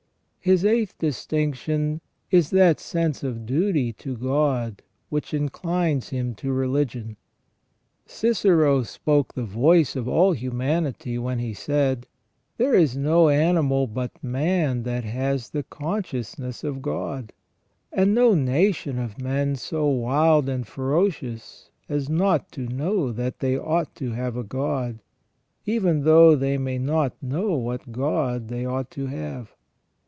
His eighth distinction is that sense of duty to God which inclines him to religion. Cicero spoke the voice of all humanity when he said :" There is no animal but man that has the consciousness of God; and no ON THE NATURE OF MAN. 9 nation of men so wild and ferocious as not to know that they ought to have a god, even though they may not know what god they ought to have